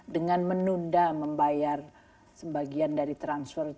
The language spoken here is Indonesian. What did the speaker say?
dengan menunda membayar sebagian dari transfer